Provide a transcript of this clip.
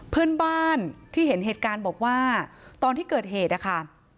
เพื่อนบ้านที่เห็นเหตุการณ์บอกว่าตอนที่เกิดเหตุนะคะ